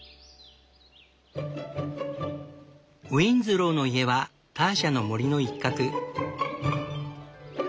ウィンズローの家はターシャの森の一角。